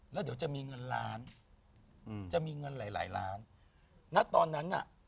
แล้วเดี๋ยวจะมีเงินล้านอืมจะมีเงินหลายหลายล้านณตอนนั้นน่ะ